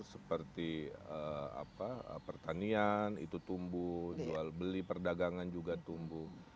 seperti pertanian itu tumbuh jual beli perdagangan juga tumbuh